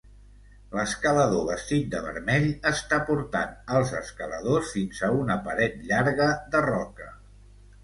L'escalador vestit de vermell està portant als escaladors fins a una paret llarga de roca.